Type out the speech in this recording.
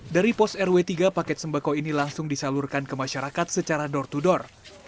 dari pos rw tiga paket sembako ini langsung disalurkan ke masyarakat secara door to door